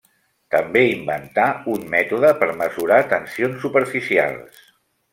També inventà un mètode per mesurar tensions superficials.